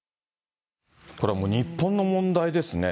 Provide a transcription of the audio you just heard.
これはもう日本の問題ですね。